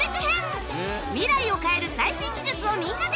未来を変える最新技術をみんなで体験！